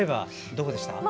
どこでしたか。